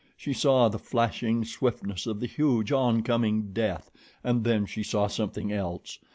She saw the flashing swiftness of the huge, oncoming death, and then she saw something else.